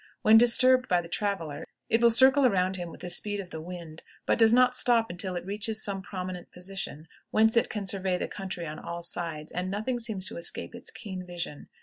When disturbed by the traveler, it will circle around him with the speed of the wind, but does not stop until it reaches some prominent position whence it can survey the country on all sides, and nothing seems to escape its keen vision.